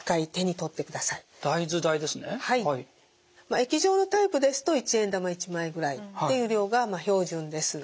液状のタイプですと１円玉１枚ぐらいっていう量が標準です。